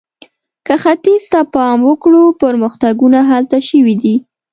که ختیځ ته پام وکړو، پرمختګونه هلته شوي دي.